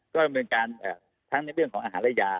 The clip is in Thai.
ก็ดำเนินการทั้งในเรื่องของอาหารและยา